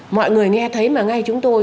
mọi người nghe thấy mà ngay chúng tôi